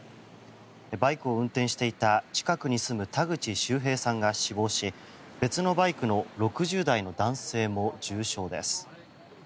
バイクを運転していた近くに住む田口周平さんが死亡し別のバイクの６０代の男性も重傷です。